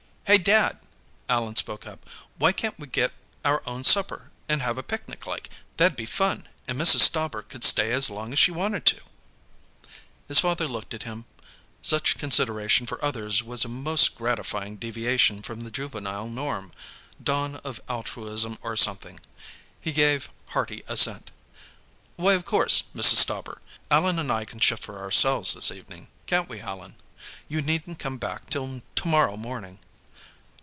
"Hey, Dad!" Allan spoke up. "Why can't we get our own supper, and have a picnic, like? That'd be fun, and Mrs. Stauber could stay as long as she wanted to." His father looked at him. Such consideration for others was a most gratifying deviation from the juvenile norm; dawn of altruism, or something. He gave hearty assent: "Why, of course, Mrs. Stauber. Allan and I can shift for ourselves, this evening; can't we, Allan? You needn't come back till tomorrow morning."